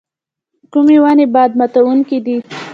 کومې ونې باد ماتوونکي دي؟